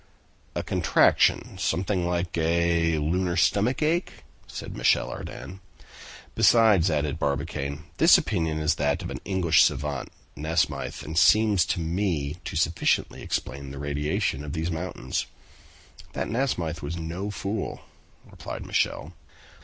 "A contraction! something like a lunar stomach ache." said Michel Ardan. "Besides," added Barbicane, "this opinion is that of an English savant, Nasmyth, and it seems to me to sufficiently explain the radiation of these mountains." "That Nasmyth was no fool!" replied Michel.